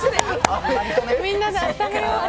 みんなであっためよう。